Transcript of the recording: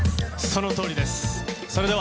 そのとおりです。